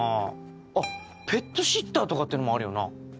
あっペットシッターとかってのもあるよな。